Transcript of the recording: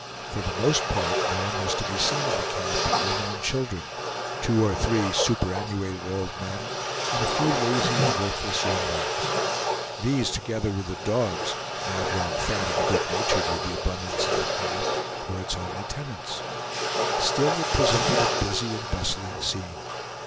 For the most part no one was to be seen in the camp but women and children, two or three super annuated old men, and a few lazy and worthless young ones. These, together with the dogs, now grown fat and good natured with the abundance in the camp, were its only tenants. Still it presented a busy and bustling scene.